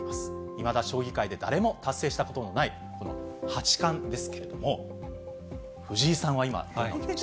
いまだ将棋界で誰も達成したことのない、この八冠ですけれども、藤井さんは今。